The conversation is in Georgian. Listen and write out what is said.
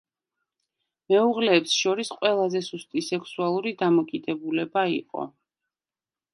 მეუღლეებს შორის ყველაზე სუსტი სექსუალური დამოკიდებულება იყო.